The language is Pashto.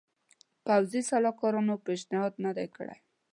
پوځي سلاکارانو پېشنهاد نه دی کړی.